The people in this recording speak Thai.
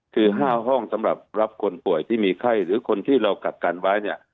คือ๕ห้องสำหรับรับคนป่วยที่มีไข้หรือคนที่เรากักกันไว้เนี่ย